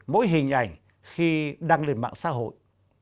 với hình ảnh khi đăng lên mạng xã hội